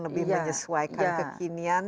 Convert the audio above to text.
lebih menyesuaikan kekinian